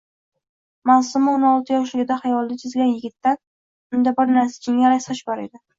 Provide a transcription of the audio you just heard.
Maʼsuma oʼn olti yoshligida xayolida chizgan yigitdan unda bir narsa — jingalak soch bor edi.